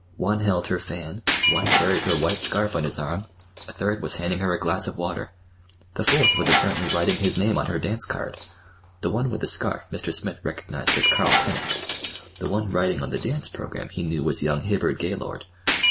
One held her fan, one carried her white scarf on his arm, a third was handing her a glass of water. The fourth was apparently writing his name on her dance card. The one with the scarf Mr. Smith recognized as Carl Pennock. The one writing on the dance programme he knew was young Hibbard Gaylord.